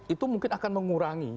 itu mungkin akan mengurangi